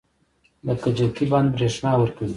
د کجکي بند بریښنا ورکوي